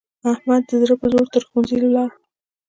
احمد د زړه په زور تر ښوونځي ولاړ.